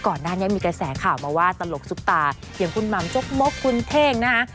ก่อนหน้านี้มีกระแสข่าวมาว่าตลกซุปตาอย่างคุณหม่ำจกมกคุณเท่งนะคะ